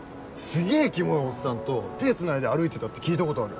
すげぇキモいおっさんと手つないで歩いてたって聞いたことある。